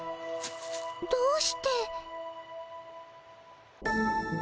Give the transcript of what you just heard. どうして？